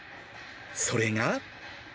それが。